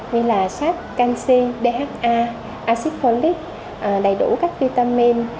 như là sáp canxi dha acid folic đầy đủ các vitamin